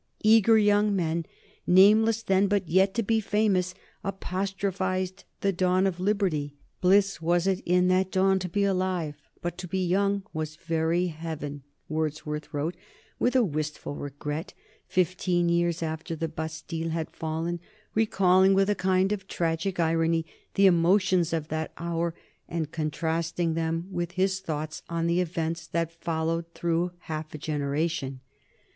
Eager young men, nameless then but yet to be famous, apostrophised the dawn of liberty. "Bliss was it in that dawn to be alive, but to be young was very heaven," Wordsworth wrote, with a wistful regret, fifteen years after the Bastille had fallen, recalling with a kind of tragic irony the emotions of that hour and contrasting them with his thoughts on the events that had followed through half a generation.